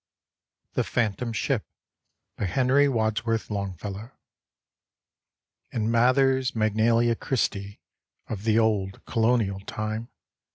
THE PHANTOM SHIP : henry w. longfellow In Mather's Magnalia Christ!, Of the old colonial time.